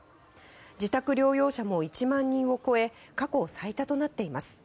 自宅療養者も１万人を超え過去最多となっています。